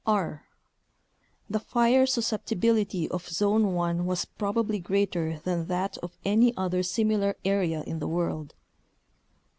r. The fire susceptibility of Zone 1 was prob ably greater than that of any other similar area in the world.